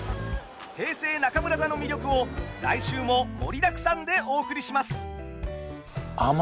平成中村座の魅力を来週も盛りだくさんでお送りします。